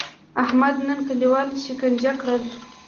احمد نن کلیوال سکنجه کړل.